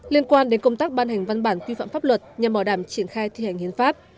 liên quan đến công tác ban hành văn bản quy phạm pháp luật nhằm bảo đảm triển khai thi hành hiến pháp